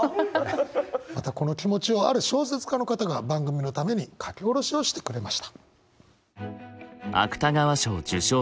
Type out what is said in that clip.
またこの気持ちをある小説家の方が番組のために書き下ろしをしてくれました。